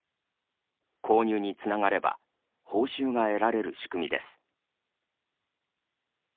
購入につながれば報酬が得られる仕組みです。